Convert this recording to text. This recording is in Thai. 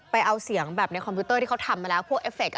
เอาเสียงแบบในคอมพิวเตอร์ที่เขาทำมาแล้วพวกเอฟเค